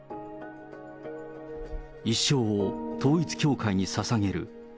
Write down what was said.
一生を統一教会にささげる。